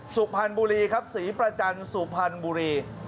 สุภัณฑ์บุรีครับสีประจันทร์สุภัณฑ์บุรี